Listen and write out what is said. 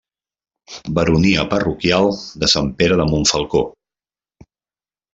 Baronia parroquial de Sant Pere de Montfalcó.